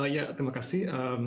ya terima kasih